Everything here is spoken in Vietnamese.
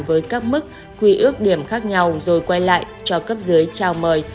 với các mức huy ước điểm khác nhau rồi quay lại cho cấp dưới trao mời